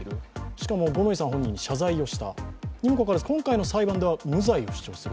しかも五ノ井さん本人に謝罪を下にかかわらず、今回の裁判では無罪を主張する。